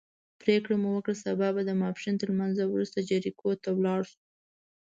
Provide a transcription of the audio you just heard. پرېکړه مو وکړه سبا به د ماسپښین تر لمانځه وروسته جریکو ته ولاړ شو.